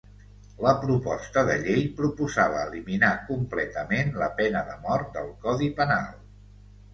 La proposta de llei proposava eliminar completament la pena de mort del Codi Penal.